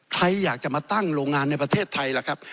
ใครอยากจะมาตั้งโรงงานในประเทศไทยล่ะครับ